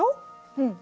うん。